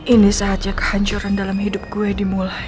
ini saatnya kehancuran dalam hidup gue dimulai